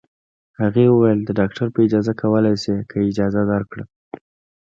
هغې وویل: د ډاکټر په اجازه کولای شې، که یې اجازه درکړه.